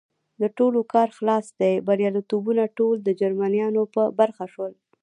د ټولو کار خلاص دی، بریالیتوبونه ټول د جرمنیانو په برخه شول.